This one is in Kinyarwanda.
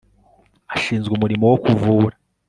ashinzwe umurimo wo kuvura